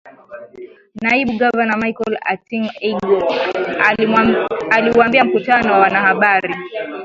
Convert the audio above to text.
Naibu Gavana Michael Atingi-Ego aliuambia mkutano wa wanahabari.